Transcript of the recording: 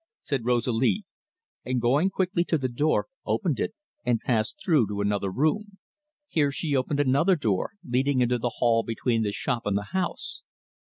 said Rosalie, and going quickly to the door, opened it, and passed through to another room. Here she opened another door, leading into the hall between the shop and the house.